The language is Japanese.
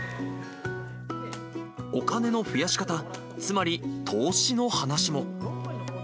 お金の増やし方、つまり、投資の話も。